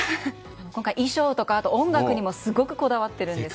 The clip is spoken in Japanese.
今回、衣装とか音楽にもすごくこだわっているんですよね。